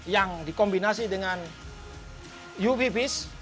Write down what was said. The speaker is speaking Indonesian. yang dikombinasi dengan uv vis